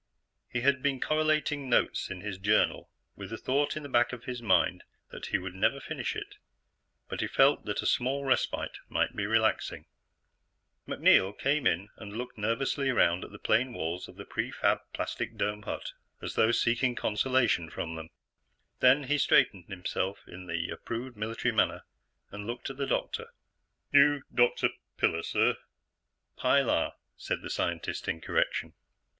He had been correlating notes in his journal with the thought in the back of his mind that he would never finish it, but he felt that a small respite might be relaxing. MacNeil came in and looked nervously around at the plain walls of the pre fab plastic dome hut as though seeking consolation from them. Then he straightened himself in the approved military manner and looked at the doctor. "You Dr. Piller? Sir?" "Pi_lar_," said the scientist in correction.